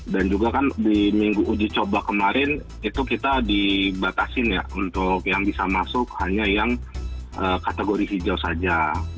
dan juga kan di minggu uji coba kemarin itu kita dibatasin ya untuk yang bisa masuk hanya yang kategori hijau saja